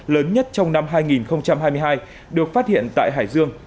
lớn nhất trong năm hai nghìn hai mươi hai được phát hiện tại hải dương